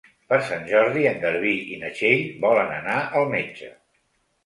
Per Sant Jordi en Garbí i na Txell volen anar al metge.